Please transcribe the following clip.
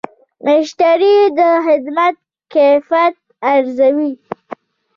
مشتری د خدمت کیفیت ارزوي.